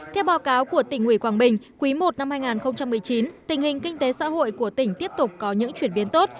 theo báo cáo của tỉnh ủy quảng bình quý i năm hai nghìn một mươi chín tình hình kinh tế xã hội của tỉnh tiếp tục có những chuyển biến tốt